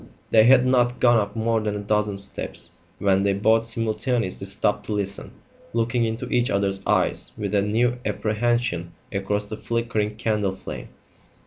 They had not gone up more than a dozen steps when they both simultaneously stopped to listen, looking into each other's eyes with a new apprehension across the flickering candle flame.